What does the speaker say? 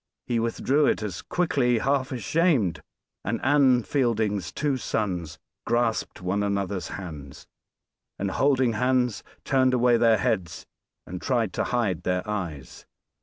He withdrew it as quickly, half ashamed; and Anne Fielding's two sons grasped one another's hands, and holding hands turned away their heads and tried to hide their eyes.